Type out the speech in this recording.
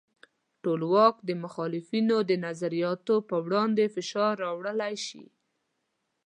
ټولواک د مخالفینو د نظریاتو پر وړاندې فشار راوړلی شي.